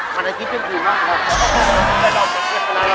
ไม่ใช่ตลกนะ